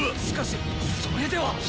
しかしそれでは！